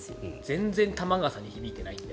全然玉川さんに響いてない。